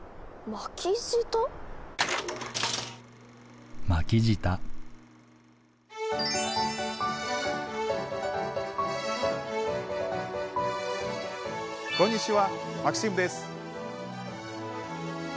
巻き舌？こんにちはマキシムです。